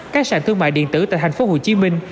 các sản thương mại điện tử tại thành phố hồ chí minh